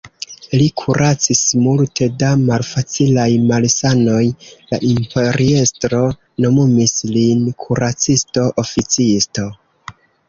Li kuracis multe da malfacilaj malsanoj, la imperiestro nomumis lin kuracisto-oficisto.